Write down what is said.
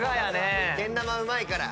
けん玉うまいから。